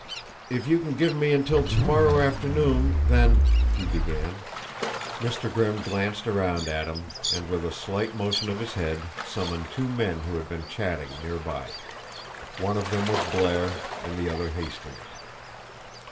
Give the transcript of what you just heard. "If you can give me until to morrow afternoon, then " he began. Mr. Grimm glanced around at him, and with a slight motion of his head summoned two men who had been chatting near by. One of them was Blair, and the other Hastings.